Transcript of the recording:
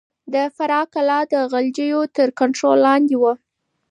د فراه کلا د غلجيو تر کنټرول لاندې وه.